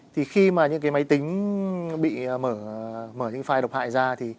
thì khi mà những cái máy tính bị mở những file độc hại ra